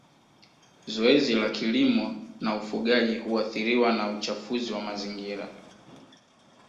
Zoezi la kilimo na ufugaji huathiriwa na uchafuzi wa mazingira